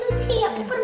siap permisi aku